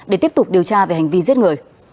để tiếp tục điều tra về hành vi giết người